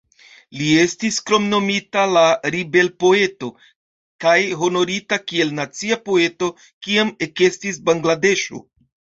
Li estis kromnomita la "ribel-poeto", kaj honorita kiel "nacia poeto" kiam ekestis Bangladeŝo.